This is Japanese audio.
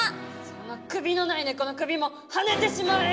その首のない猫の首もはねてしまえ！